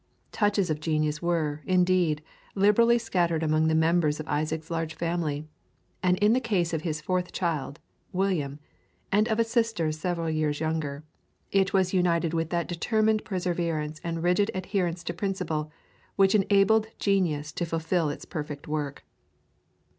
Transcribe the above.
Touches of genius were, indeed, liberally scattered among the members of Isaac's large family, and in the case of his forth child, William, and of a sister several years younger, it was united with that determined perseverance and rigid adherence to principle which enabled genius to fulfil its perfect work.